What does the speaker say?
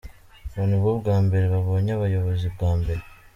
Ngo nibwo bwa mbere babonye abayobozi, bwa mbere.